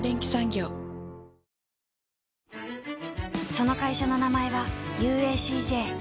その会社の名前は ＵＡＣＪ